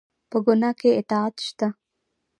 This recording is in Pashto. په ګناه کې اطاعت شته؟